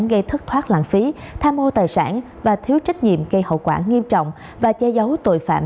gây thất thoát lãng phí tham ô tài sản và thiếu trách nhiệm gây hậu quả nghiêm trọng và che giấu tội phạm